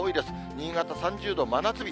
新潟３０度、真夏日。